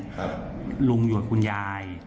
ลุงอยู่กับคุณยาย